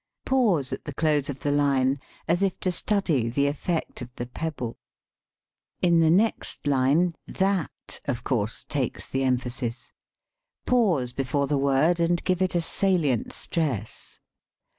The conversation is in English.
Pause at the close of the line as if to study the effect of the pebble. In the next line "that," of no THE FABLE course, takes the emphasis. Pause before the word and give it a salient stress.